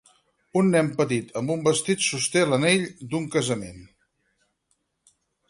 Un nen petit amb un vestit sosté l'anell d'un casament